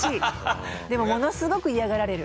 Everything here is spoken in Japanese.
でもものすごく嫌がられる。